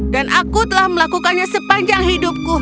dan aku telah melakukannya sepanjang hidupku